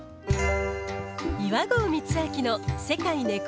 岩合光昭の世界ネコ